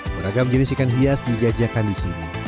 beragam jenis ikan hias dijajakan di sini